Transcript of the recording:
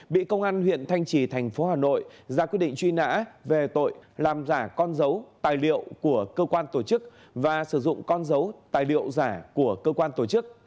bị công an huyện thanh trì thành phố hà nội ra quyết định